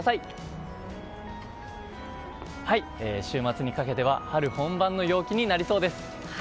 週末にかけては春本番の陽気になりそうです。